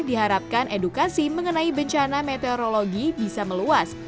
diharapkan edukasi mengenai bencana meteorologi bisa meluas